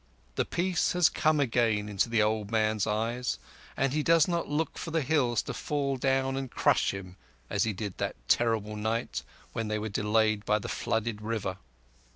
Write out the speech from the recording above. The peace has come again into the old man's eyes, and he does not look for the hills to fall down and crush him as he did that terrible night when they were delayed by the flooded river.